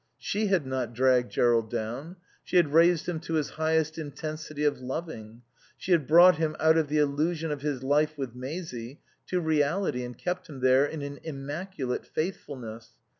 She had not dragged Jerrold down; she had raised him to his highest intensity of loving, she had brought him, out of the illusion of his life with Maisie, to reality and kept him there in an immaculate faithfulness.